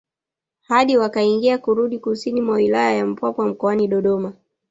Hadi wakaingia kurudi kusini mwa wilaya ya Mpwapwa mkoani Dodoma